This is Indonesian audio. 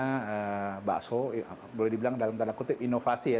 karena bakso boleh dibilang dalam tanda kutip inovasi ya